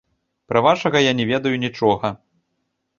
Пра вашага я не ведаю нічога.